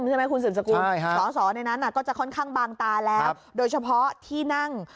ใช่ไหมคุณสืบสกุลสอสอในนั้นก็จะค่อนข้างบางตาแล้วโดยเฉพาะที่นั่ง